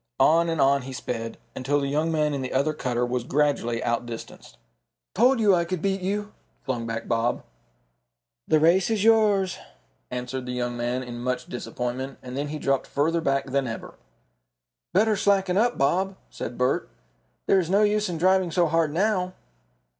On and on he sped, until the young man in the other cutter was gradually outdistanced. "Told you I could beat you!" flung back Bob. "The race is yours," answered the young man, in much disappointment, and then he dropped further back than ever. "Better slacken up, Bob," said Bert. "There is no use in driving so hard now."